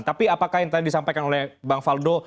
tapi apakah yang tadi disampaikan oleh bang faldo